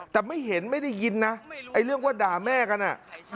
แต่ไม่เห็นไม่ได้ยินนะไอ้เรื่องว่าด่าแม่กันอ่ะ